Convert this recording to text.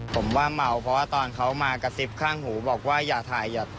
ผมว่าเมาเพราะว่าตอนเขามากระซิบข้างหูบอกว่าอย่าถ่ายอย่า